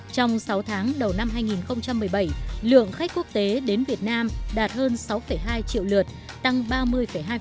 trong sáu tháng đầu năm hai nghìn một mươi bảy lượng khách quốc tế đến việt nam đạt hơn sáu hai triệu lượt tăng ba mươi hai so với cùng kỳ năm hai nghìn một mươi sáu